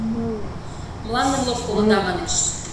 — Мландым локтылыда, манеш.